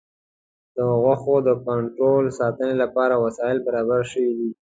د غوښو د کنسرو ساتنې لپاره وسایل برابر شوي دي.